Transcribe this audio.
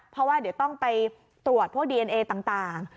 เพราะว่าเดี๋ยวต้องไปตรวจพวกดีเอนเอต่าง